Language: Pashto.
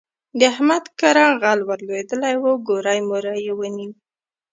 د احمد کره غل ور لوېدلی وو؛ ګوری موری يې ونيو.